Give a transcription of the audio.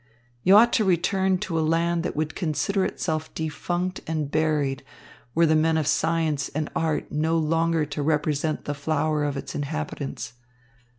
You ought to return to a land that would consider itself defunct and buried were the men of science and art no longer to represent the flower of its inhabitants.